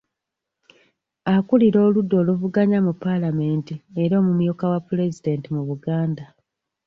Akulira oludda oluvuganya mu paalamenti era omumyuka wa pulezidenti mu Buganda.